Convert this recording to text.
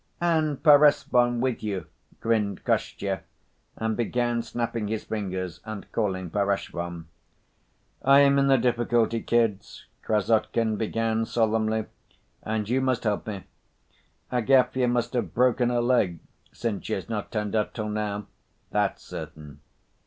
"And Perezvon with you!" grinned Kostya, and began snapping his fingers and calling Perezvon. "I am in a difficulty, kids," Krassotkin began solemnly, "and you must help me. Agafya must have broken her leg, since she has not turned up till now, that's certain.